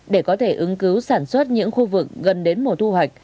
để có thể ứng cứu sản xuất những khu vực gần đến mùa thu hoạch